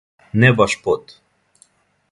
Не баш под.